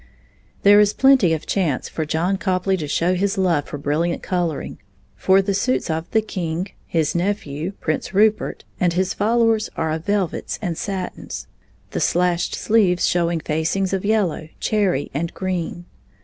There is plenty of chance for John Copley to show his love for brilliant coloring, for the suits of the king, his nephew, Prince Rupert, and his followers are of velvets and satins, the slashed sleeves showing facings of yellow, cherry, and green.